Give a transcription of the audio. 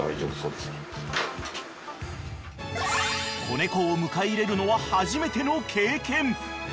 ［子猫を迎え入れるのは初めての経験］